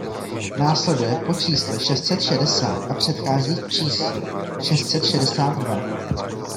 Následuje po čísle šest set šedesát a předchází číslu šest set šedesát dva.